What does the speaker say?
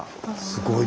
すごい